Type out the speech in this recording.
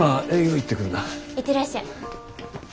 行ってらっしゃい。